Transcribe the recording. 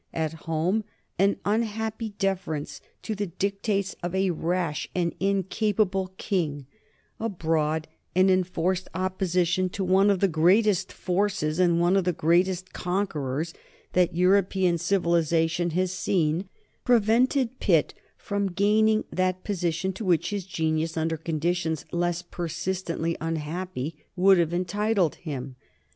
At home an unhappy deference to the dictates of a rash and incapable king, abroad an enforced opposition to one of the greatest forces and one of the greatest conquerors that European civilization has seen, prevented Pitt from gaining that position to which his genius, under conditions less persistently unhappy, would have entitled him.